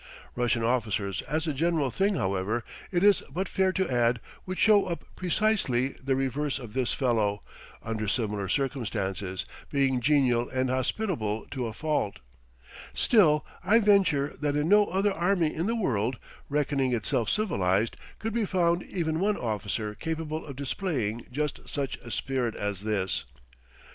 Russian officers as a general thing, however, it is but fair to add, would show up precisely the reverse of this fellow, under similar circumstances, being genial and hospitable to a fault; still, I venture that in no other army in the world, reckoning itself civilized, could be found even one officer capable of displaying just such a spirit as this.